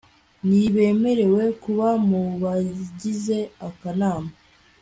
ntibemerewe kuba mu bagize akanama